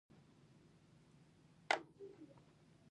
د هغه اخلاق قرآن وبلل شول.